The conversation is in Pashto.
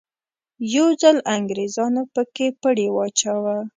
یو ځل انګریزانو په کې پړی واچاوه.